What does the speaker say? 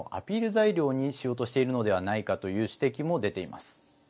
材料にしようとしているのではないかという指摘も出ています。